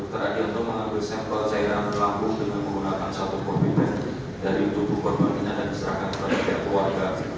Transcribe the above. dr adianto mengambil sampel cairan pelabung dengan menggunakan satu kopi pen